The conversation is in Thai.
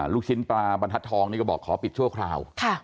ลูกชิ้นปลาบรรทัศนทองนี่ก็บอกขอปิดชั่วคราว